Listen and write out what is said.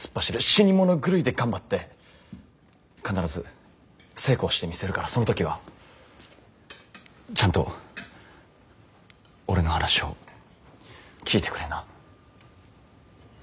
死に物狂いで頑張って必ず成功してみせるからその時はちゃんと俺の話を聞いてくれな。